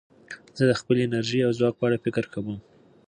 زه د خپلې انرژۍ او ځواک په اړه فکر کوم.